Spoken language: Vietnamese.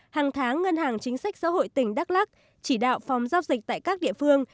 hàng tháng ngân hàng chính sách xã hội tỉnh đắk lắc chỉ đạo phòng giao dịch tại các địa phương